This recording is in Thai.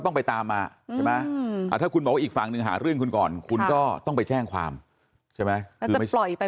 น้องผมล้างรถก็ด่าไอ้เด็กก็แบบอย่างนี้